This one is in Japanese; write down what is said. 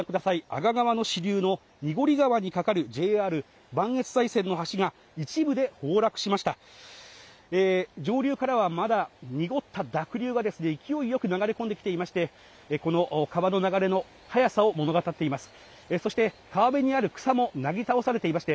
阿賀川の支流の濁川に架かるＪＲ磐越西線の橋が一部で崩落しました上流からはまだ濁った濁流がですね勢いよく流れ込んできていましてこの川の流れの速さを物語っています